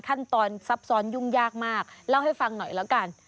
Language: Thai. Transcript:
ซับซ้อนยุ่งยากมากเล่าให้ฟังหน่อยแล้วกัน